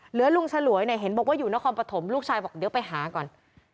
ลุงฉลวยเนี่ยเห็นบอกว่าอยู่นครปฐมลูกชายบอกเดี๋ยวไปหาก่อน